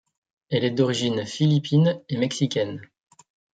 Elle est d'origine philippine et mexicaine.